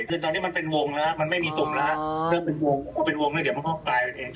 เพราะว่าตอนนี้มันเป็นวงแล้วมันไม่มีตุ่มแล้วเพราะว่าเป็นวงแล้วเดี๋ยวมันก็กลายเอง